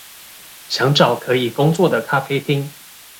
想找可以工作的咖啡廳